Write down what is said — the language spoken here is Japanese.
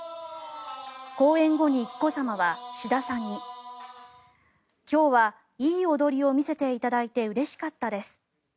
公演後に紀子さまは志田さんに今日はいい踊りを見せていただいてうれしかったです